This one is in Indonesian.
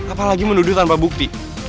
apalagi menuduh tanpa bukti